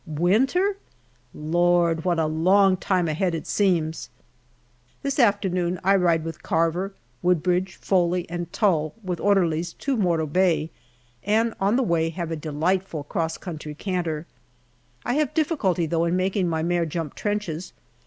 Winter ? Lord ! what a long time ahead it seems ! This afternoon I ride with Carver, Woodbridge, Foley, and Tull, with orderlies, to Morto Bay, and on the way have a delightful cross country canter. I have difficulty, though, in making my mare jump trenches.